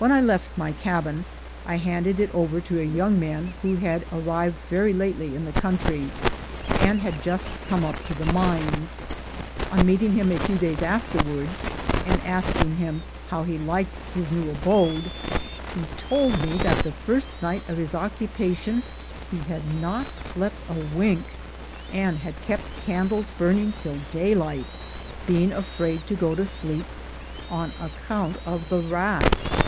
When I left my cabin, I handed it over to a young MINERS' LAW 157 man who had arrived very lately in the country, and had just come up to the mines. On meeting him a few days afterwards, and asking him how he liked his new abode, he told me that the first night of his occupation he had not slept a wink, and had kept candles burning till daylight, being afraid to go to sleep on account of the rats.